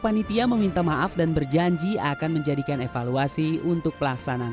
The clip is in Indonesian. panitia meminta maaf dan berjanji akan menjadikan evaluasi untuk pelaksanaan